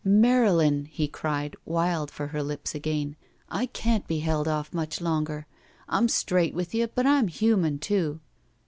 "Marylin," he cried, wild for her lips again, I can't be held off much longer. I'm straight with you, but I'm human, too."